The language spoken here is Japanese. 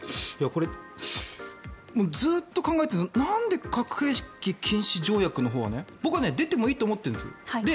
これ、ずっと考えていてなんで核兵器禁止条約のほうは僕は出てもいいと思ってるんですよ。